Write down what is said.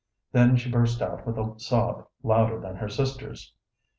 Then she burst out with a sob louder than her sister's.